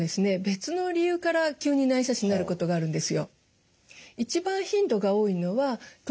別の理由から急に内斜視になることがあるんですよ。